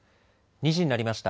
２時になりました。